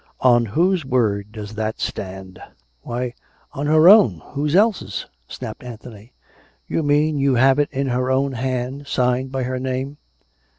" On whose word does that stand .^"" Why, on her own ! Whose else's ?" snapped Anthony. " You mean, you have it in her own hand, signed by her name